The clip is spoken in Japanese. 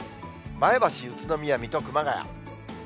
前橋、宇都宮、水戸、熊谷。